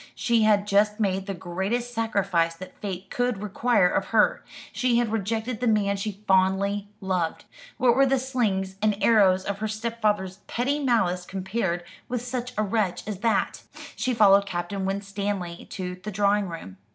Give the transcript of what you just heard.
She had just made the greatest sacrifice that fate could require of her: she had rejected the man she fondly loved. What were the slings and arrows of her stepfather's petty malice compared with such a wrench as that? She followed Captain Winstanley to the drawing room.